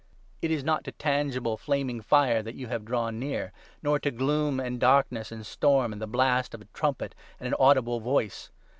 It is not to tangible ' flaming fire ' that you 18 img* have drawn near, nor to ' gloom, and darkness, and storm, and the blast of a trumpet, and an audible voice.'